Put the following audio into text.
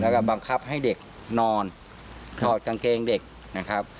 แล้วก็บังคับให้เด็กนอนถอดกางเกงเด็กนะครับ